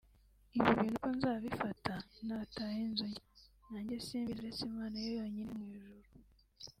Ibi bintu uko nzabifata [nataha inzu nshya] najye simbizi uretse Imana yonyine yo mu ijuru